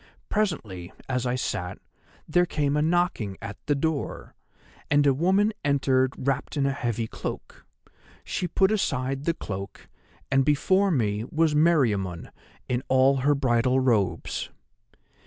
"Presently, as I sat, there came a knocking at the door, and a woman entered wrapped in a heavy cloak. She put aside the cloak, and before me was Meriamun in all her bridal robes.